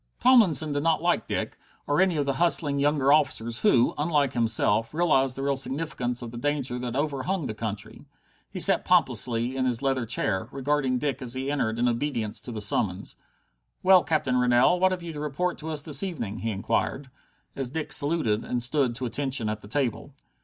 Tomlinson did not like Dick, or any of the hustling younger officers who, unlike himself, realized the real significance of the danger that overhung the country. He sat pompously in his leather chair, regarding Dick as he entered in obedience to the summons. "Well, Captain Rennell, what have you to report to us this evening?" he inquired, as Dick saluted and stood to attention at the table.